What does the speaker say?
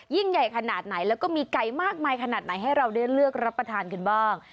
ใหญ่ขนาดไหนแล้วก็มีไก่มากมายขนาดไหนให้เราได้เลือกรับประทานกันบ้าง